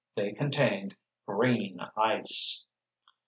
They contained—green ice!